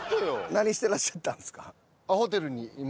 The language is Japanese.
何してらっしゃったんですか？